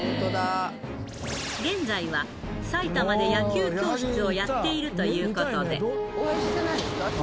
現在は、埼玉で野球教室をやっているということで。